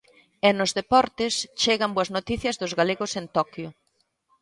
E nos deportes, chegan boas noticias dos galegos en Toquio.